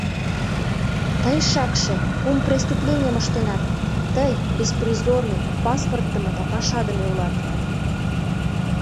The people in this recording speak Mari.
— Тый, шакше, кум преступленийым ыштенат: тый — беспризорный, паспортдымо да пашадыме улат.